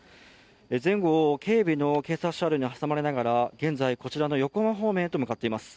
前後を警備の警察車両に挟まれながら現在、こちらの横浜方面へと向かっています。